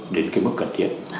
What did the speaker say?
đến cái mức cần thiện